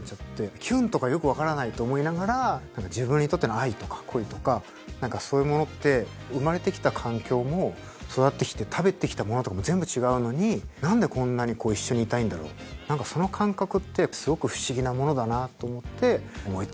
キュンとかよく分からないと思いながら、自分にとっての愛とか恋とか、なんかそういうものって、生まれてきた環境も育ってきて、食べてきたものとかも全部違うのに、なんでこんなに一緒にいたいんだろう、なんか、その感覚ってすごく不思議なものだなって思っ